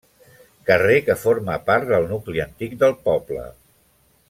Carrer que forma part del nucli antic del poble.